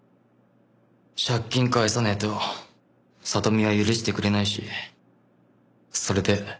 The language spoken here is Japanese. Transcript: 借金返さねえと里実は許してくれないしそれで。